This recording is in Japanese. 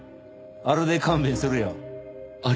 あれで勘弁するよ。